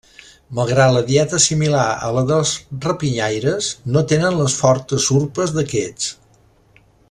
Malgrat la dieta similar a la dels rapinyaires, no tenen les fortes urpes d'aquests.